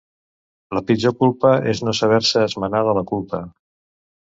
La pitjor culpa és no saber-se esmenar de la culpa.